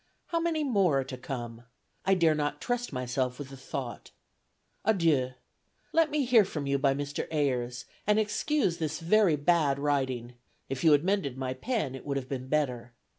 How many more are to come? I dare not trust myself with the thought. Adieu. Let me hear from you by Mr. Ayers, and excuse this very bad writing; if you had mended my pen it would have been better.